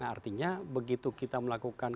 artinya begitu kita melakukan